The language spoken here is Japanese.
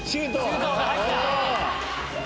周東入った！